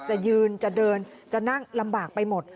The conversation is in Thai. จะยืนจะเดินจะนั่งลำบากไปหมด